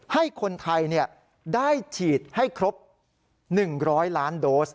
ให้คนไทยได้ฉีดให้ครบ๑๐๐ล้านโดส